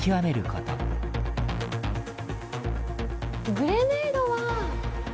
グレネードは。